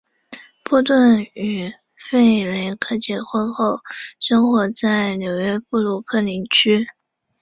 波顿与弗雷克结婚后生活在纽约布鲁克林区。